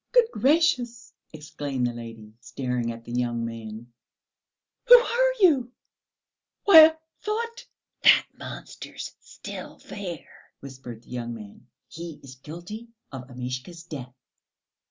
"Good gracious!" exclaimed the lady, staring at the young man. "Who are you? Why, I thought...." "That monster's still there," whispered the young man. "He is guilty of Amishka's death!"